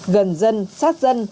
gần dân sát dân